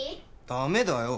ダメだよ